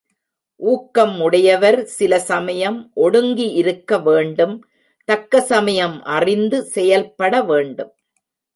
ஊக்கம் உடையவர் சில சமயம் ஒடுங்கி இருக்க வேண்டும் தக்க சமயம் அறிந்து செயல்பட வேண்டும்.